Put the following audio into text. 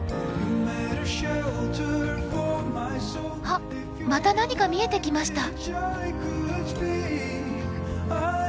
あっまた何か見えてきました。